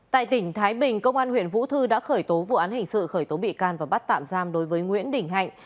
tại tỉnh thái bình công an huyện vũ thư đã khởi tố vụ án hình sự khởi tố bị can và bắt tạm giam đối với nguyễn đình hạnh